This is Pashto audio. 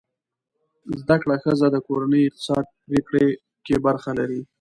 زده کړه ښځه د کورنۍ اقتصادي پریکړې کې برخه لري.